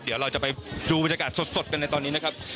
เดี๋ยวเราจะไปดูบรรยากาศสดกันในตอนนี้นะครับ